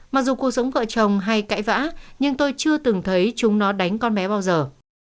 mặc dù cuộc sống vợ chồng hay cãi vã nhưng tôi chưa từng thấy chúng nó đánh con bé bao giờ